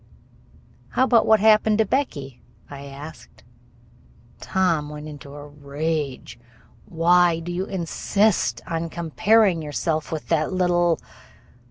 "How about what happened to Becky?" I asked. Tom went into a rage. "Why do you insist on comparing yourself with that little